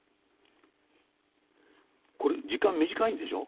これ時間短いんでしょう？